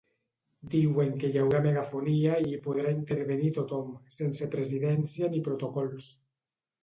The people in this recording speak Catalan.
Diuen que hi haurà megafonia i hi podrà intervenir tothom, sense presidència ni protocols.